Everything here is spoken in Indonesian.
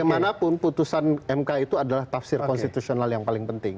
bagaimanapun putusan mk itu adalah tafsir konstitusional yang paling penting